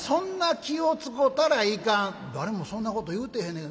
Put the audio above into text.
「誰もそんなこと言うてへんねん」。